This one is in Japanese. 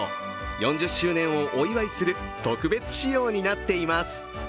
４０周年をお祝いする特別仕様になっています。